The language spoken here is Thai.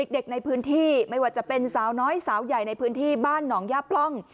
เด็กในพื้นที่ไม่ว่าจะเป็นสาวน้อยสาวใหญ่ในพื้นที่บ้านหนองย่าปล่อง